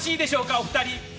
お二人。